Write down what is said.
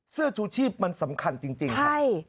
เสื้อชูชีพมันสำคัญจริงครับ